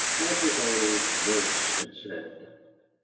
as his old nurse had said.